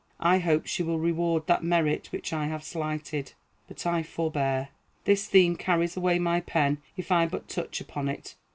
I hope she will reward that merit which I have slighted. But I forbear. This theme carries away my pen if I but touch upon it.